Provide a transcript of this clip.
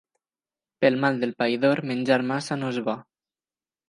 Pel mal del païdor menjar massa no és bo.